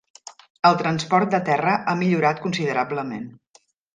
El transport de terra ha millorat considerablement.